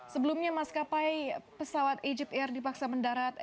sebelumnya maskapai pesawat egypt air dipaksa mendarat